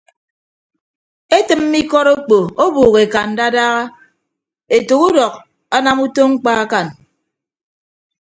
Etịmme ikọt okpo ọbuuk eka ndadaha etәk udọk anam utom mkpa akañ.